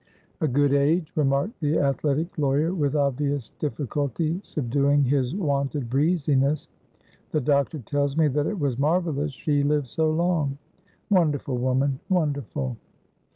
"A good age," remarked the athletic lawyer, with obvious difficulty subduing his wonted breeziness. "The doctor tells me that it was marvellous she lived so long. Wonderful woman! Wonderful!"